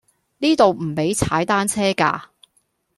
呢度唔比踩單車架